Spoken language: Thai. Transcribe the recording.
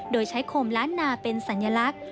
โดยใช้โคมล้านนาเป็นสัญลักษณ์